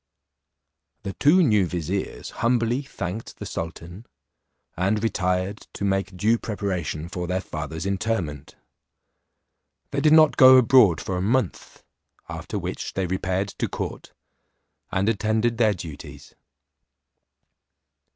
The two new viziers humbly thanked the sultan, and retired to make due preparation for their father's interment. They did not go abroad for a month, after which they repaired to court, and attended their duties.